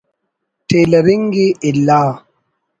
ٹیلرنگ ءِ اِلا